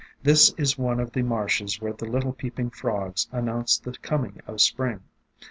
This is one of the marshes where the little peeping frogs announce the coming of Spring.